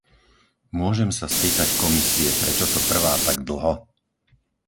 Môžem sa spýtať Komisie, prečo to trvá tak dlho?